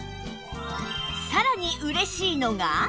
さらに嬉しいのが